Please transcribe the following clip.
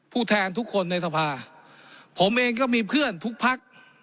แทนทุกคนในสภาผมเองก็มีเพื่อนทุกพัก